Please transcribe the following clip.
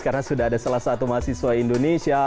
karena sudah ada salah satu mahasiswa indonesia